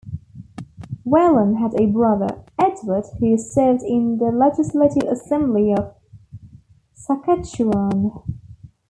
Whelan had a brother, Edward, who served in the Legislative Assembly of Saskatchewan.